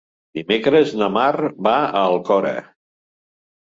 Dimecres na Mar va a l'Alcora.